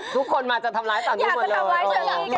ทุกคนมาจะทำร้ายตอนนี้หมดเลย